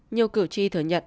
nhiều cử tri thừa nhận